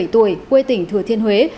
ba mươi bảy tuổi quê tỉnh thừa thiên huế